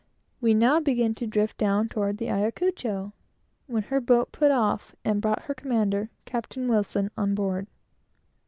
We now began to drift down toward the Ayacucho, when her boat put off and brought her commander, Captain Wilson, on board.